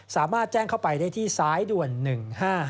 สามารถแจ้งเข้าไปได้ที่ซ้ายด่วน๑๕๕